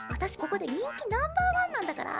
ここで人気ナンバーワンなんだから。